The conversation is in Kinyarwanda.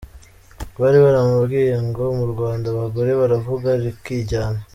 Bari baramubwiye ngo mu Rwanda abagore baravuga rikijyana.